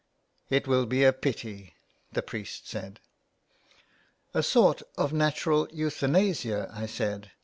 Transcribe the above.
It will be a pity," the priest said. " A sort of natural euthanasia," I said.